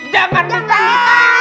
jangan pak d